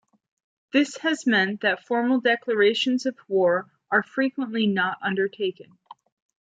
This has meant that formal declarations of war are frequently not undertaken.